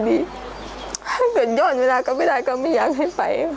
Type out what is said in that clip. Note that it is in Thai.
ถ้าเกิดย้อนเวลาก็ไม่ได้ก็ไม่อยากให้ไป